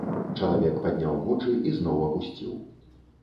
Чалавек падняў вочы і зноў апусціў.